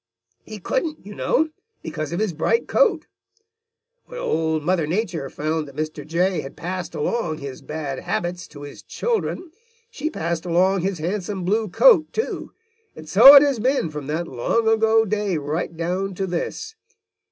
He couldn't, you know, because of his bright coat. When Old Mother Nature found that Mr. Jay had passed along his bad habits to his children, she passed along his handsome blue coat, too, and so it has been from that long ago day right down to this.